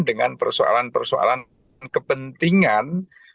dengan persoalan persoalan kepentingan